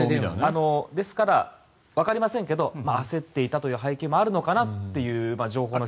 ですから、わかりませんが焦っていたという背景もあるのかなという